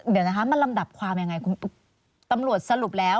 เดี๋ยวนะคะมันลำดับความยังไงคุณตำรวจสรุปแล้ว